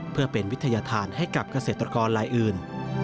เพื่อเป็นวิทยาธารให้กับเกษตรกรลายอื่น